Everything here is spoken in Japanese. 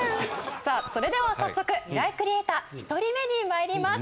さあそれでは早速ミライクリエイター１人目に参ります。